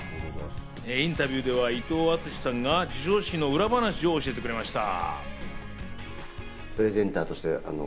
インタビューでは伊藤淳史さんが受賞式の裏話を教えてくれました。